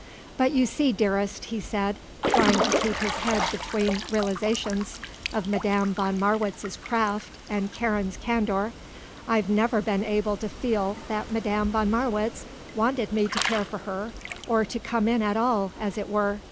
"But you see, dearest," he said, trying to keep his head between realizations of Madame von Marwitz's craft and Karen's candour, "I've never been able to feel that Madame von Marwitz wanted me to care for her or to come in at all, as it were.